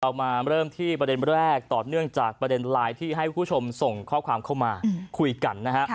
มาเริ่มที่ประเด็นแรกต่อเนื่องจากประเด็นไลน์ที่ให้คุณผู้ชมส่งข้อความเข้ามาคุยกันนะฮะ